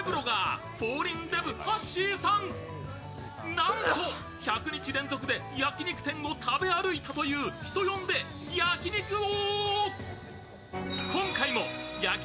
なんと１００日連続で焼肉店を食べ歩いたという人呼んで焼肉王。